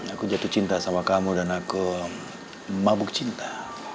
aku jatuh cinta sama kamu dan aku mabuk cinta